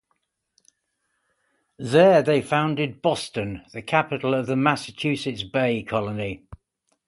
There they founded Boston, the capital of the Massachusetts Bay Colony.